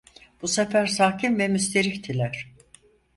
Bu sefer sakin ve müsterihtiler.